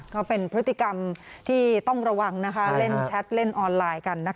ก็เป็นพฤติกรรมที่ต้องระวังเล่นแชทเล่นออนไลน์กัน